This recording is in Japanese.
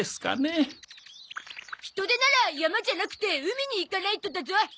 ヒトデなら山じゃなくて海に行かないとだゾ！